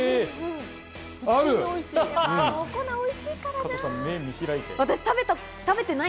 お粉、おいしいからな。